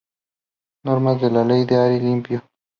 Normas de la Ley de Aire Limpio.